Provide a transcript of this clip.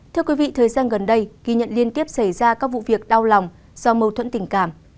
thưa quý vị thời gian gần đây ghi nhận liên tiếp xảy ra các vụ việc đau lòng do mâu thuẫn tình cảm